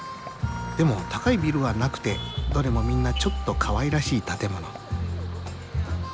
でも高いビルはなくてどれもみんなちょっとかわいらしい建物。